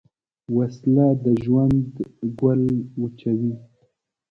وسله د ژوند ګل وچوي